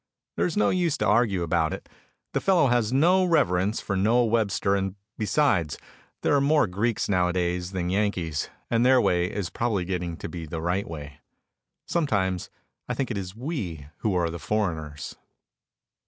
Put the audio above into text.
There is no use to argue about it. The fellow has no reverence for Noah Webster and besides there are more Greeks, nowadays, than Yankees, and their way is probably getting to be the right way. Sometimes I think it is we who are the "foreigners."